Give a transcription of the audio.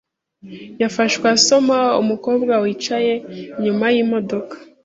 Yafashwe asoma umukobwa wicaye inyuma yimodoka.